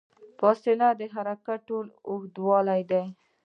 فاصلې د حرکت ټول اوږدوالی دی.